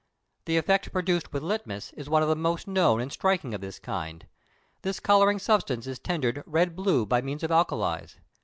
The effect produced with litmus is one of the most known and striking of this kind. This colouring substance is tendered red blue by means of alkalis.